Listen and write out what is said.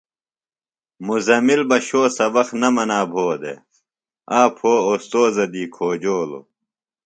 مزمل بہ شو سبق نہ منا بھو دےۡ۔ آ پھوۡ اُوستوذہ دی کھوجولوۡ۔